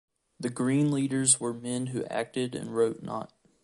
"The Green leaders were men who acted and wrote not".